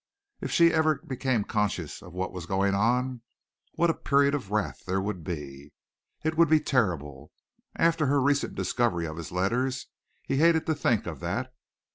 If she ever became conscious of what was going on, what a period of wrath there would be! It would be terrible. After her recent discovery of his letters he hated to think of that.